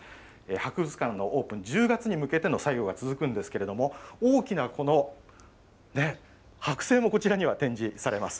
博物館のオープン、１０月に向けての作業が続くんですけれども、大きなこの、ね、剥製もこちらには展示されます。